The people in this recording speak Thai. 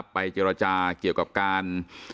ไปเจรจาเกี่ยวกับการ